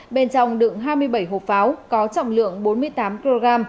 bên trong đựng hai mươi bảy hộp pháo có trọng lượng bốn mươi tám kg